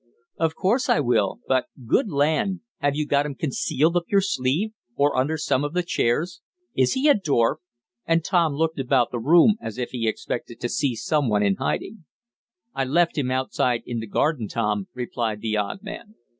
"Of course I will. But good land! Have you got him concealed up your sleeve, or under some of the chairs? Is he a dwarf?" and Tom looked about the room as if he expected to see some one in hiding. "I left him outside in the garden, Tom," replied the odd man.